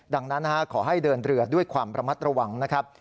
ดังนั้นขอให้เดินเรือด้วยความระมัดระวังนะครับ